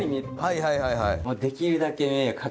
はいはいはいはい。